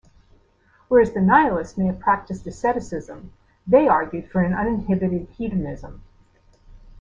Whereas the nihilist may have practiced asceticism, they argued for an uninhibited hedonism.